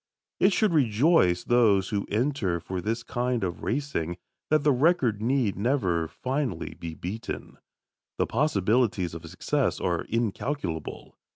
It should rejoice those who enter for this kind of racing that the record need never finally be beaten. The possibilities of success are incalculable.